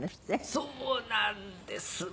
そうなんです。